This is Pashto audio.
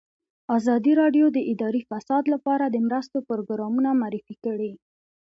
ازادي راډیو د اداري فساد لپاره د مرستو پروګرامونه معرفي کړي.